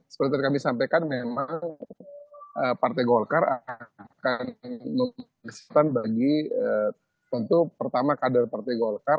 seperti yang kami sampaikan memang partai golkar akan memberikan kesempatan bagi tentu pertama kader partai golkar